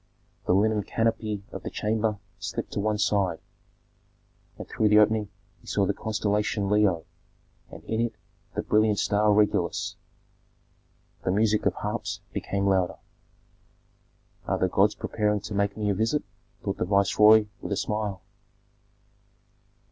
The linen canopy of the chamber slipped to one side, and through the opening he saw the constellation Leo, and in it the brilliant star Regulus. The music of harps became louder. "Are the gods preparing to make me a visit?" thought the viceroy, with a smile.